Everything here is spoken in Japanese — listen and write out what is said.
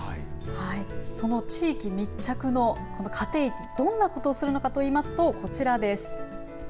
その地域密着の家庭医どんなことをするのかと言いますと、こちらです。